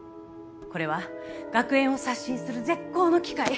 これは学園を刷新する絶好の機会。